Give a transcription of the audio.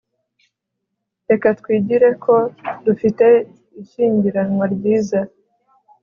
Reka twigire ko dufite ishyingiranwa ryiza